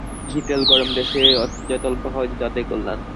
ঘি তেল গরম দেশে যত অল্প খাওয়া যায়, ততই কল্যাণ।